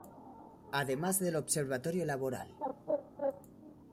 Además del Observatorio Laboral.